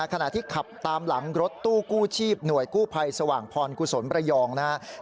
ขณะที่ขับตามหลังรถตู้กู้ชีพหน่วยกู้ภัยสว่างพรกุศลประยองนะครับ